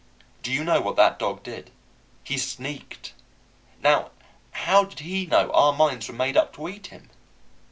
Do you know what that dog did? He sneaked. Now how did he know our minds were made up to eat him?